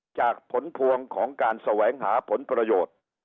จากผลพวงของการแสวงหาผลประโยชน์